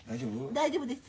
大丈夫です。